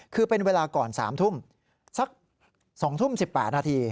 คือเป็นเวลาก่อน๓ทุ่มสัก๒ทุ่ม๑๘นาที